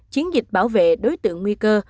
chiến dịch bảo vệ đối tượng nguy cơ